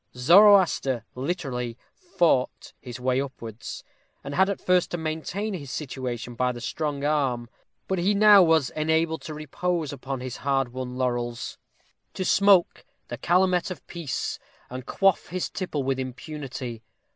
Zoroaster literally fought his way upwards, and had at first to maintain his situation by the strong arm; but he now was enabled to repose upon his hard won laurels, to smoke "the calumet of peace," and quaff his tipple with impunity.